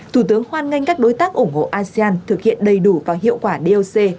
thủ tướng hoan nghênh các đối tác ủng hộ asean thực hiện đầy đủ có hiệu quả doc